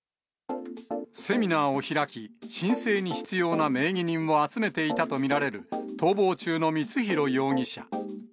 セミナーを開き、申請に必要な名義人を集めていたと見られる逃亡中の光弘容疑者。